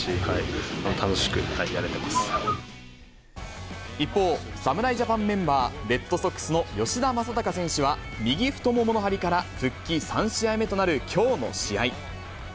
ベンチの中もすごく雰囲気いいで一方、侍ジャパンメンバー、レッドソックスの吉田正尚選手は、右太ももの張りから復帰３試合目となるきょうの試合。